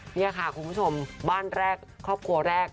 นี่ค่ะคุณผู้ชมบ้านแรกครอบครัวแรก